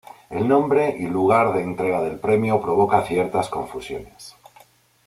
El nombre y lugar de entrega del premio provoca ciertas confusiones.